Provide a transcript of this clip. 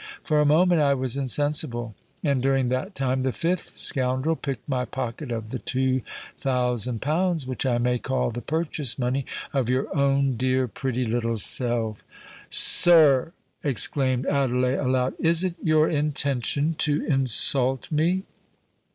For a moment I was insensible; and during that time the fifth scoundrel picked my pocket of the two thousand pounds which I may call the purchase money of your own dear pretty little self." "Sir!" exclaimed Adelais, aloud: "is it your intention to insult me?"